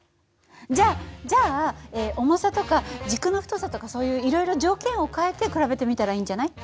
じゃじゃあ重さとか軸の太さとかそういういろいろ条件を変えて比べてみたらいいんじゃない？